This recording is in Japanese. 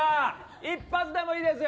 一発でもいいですよ。